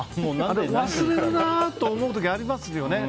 忘れるなと思う時ありますよね。